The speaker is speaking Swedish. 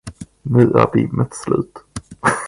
Nu är limmet slut.